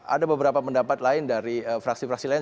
ada beberapa pendapat lain dari fraksi fraksi lain